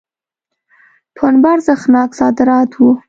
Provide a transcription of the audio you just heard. پنبه ارزښتناک صادرات وو.